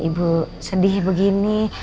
ibu sedih begini